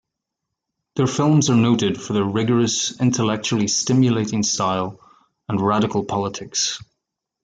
Their films are noted for their rigorous, intellectually stimulating style and radical politics.